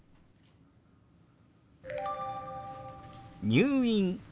「入院」。